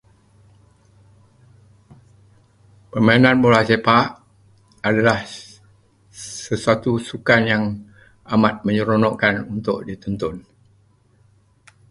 Permainan bola sepak adalah sesuatu sukan yang amat menyeronokkan untuk ditonton.